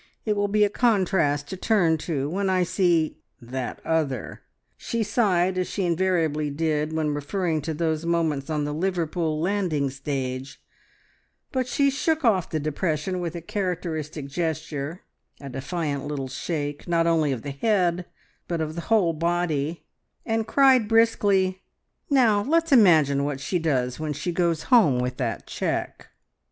It will be a contrast to turn, to, when I see that other!" She sighed, as she invariably did, when referring to those moments on the Liverpool landing stage, but she shook off the depression with a characteristic gesture, a defiant little shake not only of the head, but of the whole body, and cried briskly: "Now let's imagine what she does when she goes home with that cheque!"